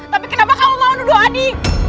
tapi kenapa kamu mau nuduh adik